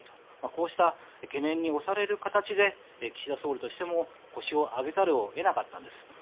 こうした懸念に押される形で岸田総理としても腰を上げざるを得なかったんです。